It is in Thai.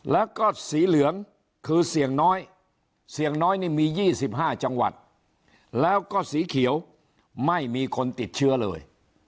แล้วก็สีเหลืองคือเสี่ยงน้อยเสี่ยงน้อยนี่มี๒๕จังหวัดแล้วก็สีเขียวไม่มีคนติดเชื้อเลย